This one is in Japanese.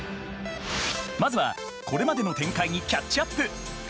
まずはこれまでの展開にキャッチアップ！